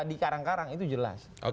di karang karang itu jelas